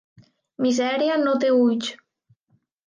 Misèria no té ulls.